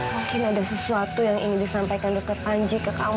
mungkin ada sesuatu yang ingin disampaikan dokter panji ke kamu